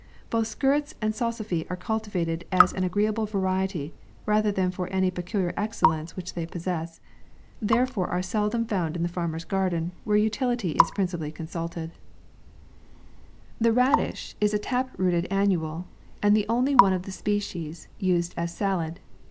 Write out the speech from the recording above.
Both skirrets and salsafy are cultivated as an agreeable variety, rather than for any pe ? culiar excellence which they possess ; there fore are seldom found in the farmer's garden, where utility is principally consulted* THE RADISH is a tap rooted annual, and the only one oi the species, used as sallad.